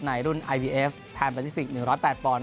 ในรุ่นไอบีเอฟแพลนประซิฟิกซ์หนึ่งร้อยแปดปอนด์